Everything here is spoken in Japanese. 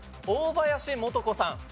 大林素子さん。